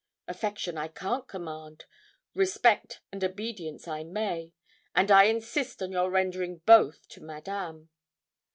Affection I can't command respect and obedience I may and I insist on your rendering both to Madame.'